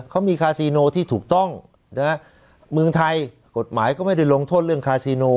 เขามีคาซีโนที่ถูกต้องนะฮะเมืองไทยกฎหมายก็ไม่ได้ลงโทษเรื่องคาซีโน